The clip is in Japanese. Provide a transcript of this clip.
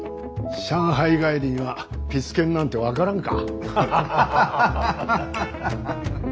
上海帰りにはピス健なんて分からんか。